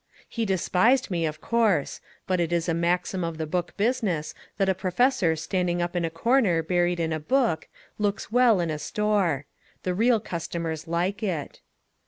He despised me, of course. But it is a maxim of the book business that a professor standing up in a corner buried in a book looks well in a store. The real customers like it.